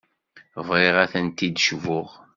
Bɣiɣ ad tent-id-cbuɣ.